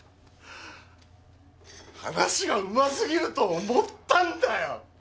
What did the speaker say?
話がうますぎると思ったんだよ